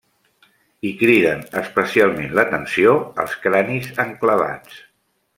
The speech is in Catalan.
Hi criden especialment l'atenció els cranis enclavats.